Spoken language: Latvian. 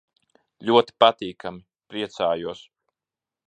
Ļoti patīkami. Priecājos.